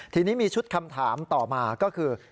ทีนี้มีชุดคำถามต่อมาก็คือ